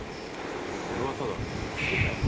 いや俺はただそうだよ